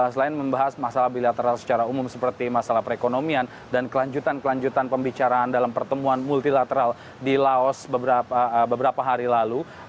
selain membahas masalah bilateral secara umum seperti masalah perekonomian dan kelanjutan kelanjutan pembicaraan dalam pertemuan multilateral di laos beberapa hari lalu